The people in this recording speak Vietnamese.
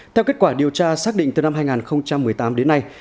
theo kết quả điều tra xác định từ năm hai nghìn một mươi tám đến nay